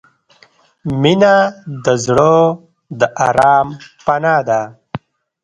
• مینه د زړه د آرام پناه ده.